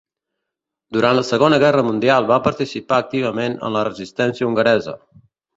Durant la Segona Guerra Mundial va participar activament en la Resistència hongaresa.